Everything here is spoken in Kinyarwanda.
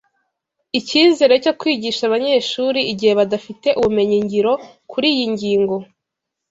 icyizere cyo kwigisha abanyeshuri igihe badafite ubumenyi ngiro kuri iyi ngingo